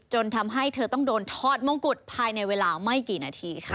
ทำให้เธอต้องโดนทอดมงกุฎภายในเวลาไม่กี่นาทีค่ะ